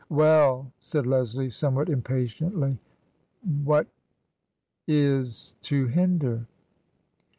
" Well !" said Leslie, somewhat impatiently ; ""^at is to hinder